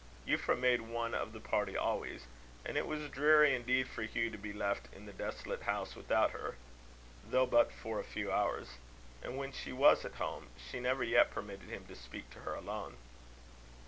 Euphra made one of the party always; and it was dreary indeed for Hugh to be left in the desolate house without her, though but for a few hours. And when she was at home, she never yet permitted him to speak to her alone.